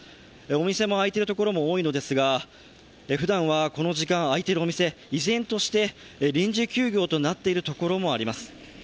店も開いているところが多いのですが、ふだんは、この時間開いているお店依然として臨時休業となっているところもあります。